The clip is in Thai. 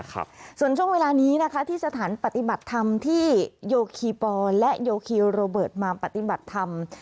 ครับส่วนช่วงเวลานี้นะคะที่สถานปฏิบัติธรรมที่โยคีปอและโยคีโรเบิร์ตมาปฏิบัติธรรม